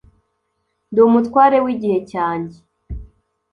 Ndi umutware wigihe cyanjye